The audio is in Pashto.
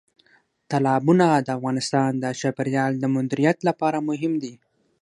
تالابونه د افغانستان د چاپیریال د مدیریت لپاره مهم دي.